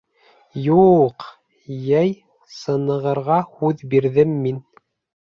— Ю-юҡ, йәй сынығырға һүҙ бирҙем мин.